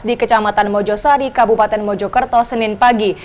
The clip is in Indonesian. di kecamatan mojosari kabupaten mojokerto senin pagi